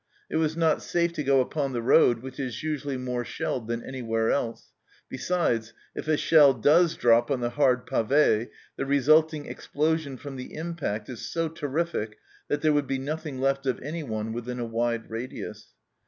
It was not safe to go upon the road, which is usually more shelled than anywhere else ; besides, if a shell does drop on the hard pave, the resulting explosion from the impact is so terrific that there would be nothing left of anyone within a wide radius.